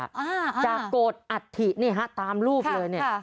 อ่าอ่าจะโกดอัฐิเนี่ยฮะตามรูปเลยเนี่ยค่ะ